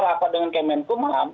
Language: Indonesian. rapat dengan kemenkumham